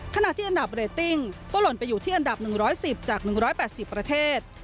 ขณะที่อันดับเรตติ้งก็หล่นไปอยู่ที่อันดับ๑๑๐จาก๑๘๐ประเทศ